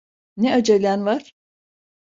Ne acelen var?